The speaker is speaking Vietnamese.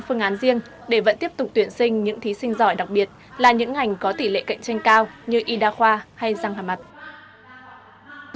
phương án riêng để vẫn tiếp tục tuyển sinh những thí sinh giỏi đặc biệt là những ngành có tỷ lệ cạnh tranh cao như y đa khoa hay răng hà mặt